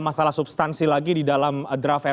masalah substansi lagi di dalam draft